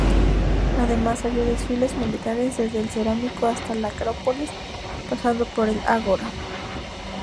Además había desfiles militares desde el Cerámico hasta la Acrópolis pasando por el Ágora.